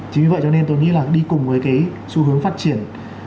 chính vì vậy cho nên tôi nghĩ là đi cùng với cái xu hướng phát triển